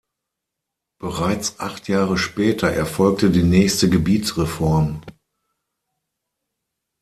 Bereits acht Jahre später erfolgte die nächste Gebietsreform.